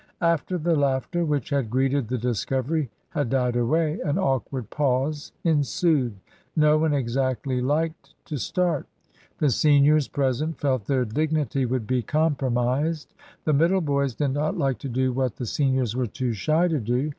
After the laughter which had greeted the discovery had died away, an awkward pause ensued. No one exactly liked to start. The seniors present felt their dignity would be compromised. The middle boys did not like to do what the seniors were too shy to do.